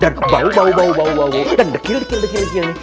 dan bau bau bau bau bau bau dan dekil dekil dekil dekil